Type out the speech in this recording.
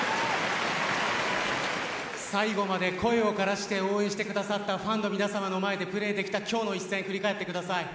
最後まで声を枯らして応援してくださったファンの皆さまの前でプレーできた今日の一戦